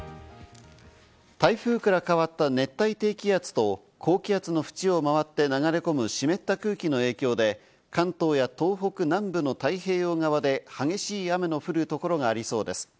台風から変わった熱帯低気圧と高気圧の縁を回って流れ込む湿った空気の影響で、関東や東北南部の太平洋側で、激しい雨の降るところがありそうです。